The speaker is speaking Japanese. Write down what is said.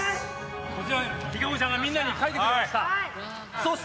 こちら璃花子ちゃんがみんなに書いてくれました。